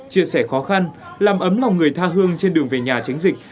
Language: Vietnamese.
chia sẻ khó khăn làm ấm lòng người tha hương trên đường về nhà tránh dịch